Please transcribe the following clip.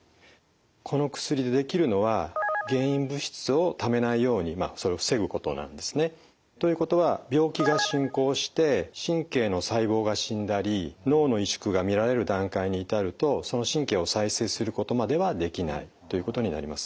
この薬でできるのは原因物質をためないようにそれを防ぐことなんですね。ということは病気が進行して神経の細胞が死んだり脳の萎縮が見られる段階に至るとその神経を再生することまではできないということになります。